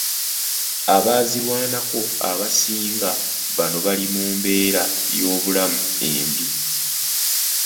Abaazirwanako abasinga bano bali mu mbeera y'obulamu embi .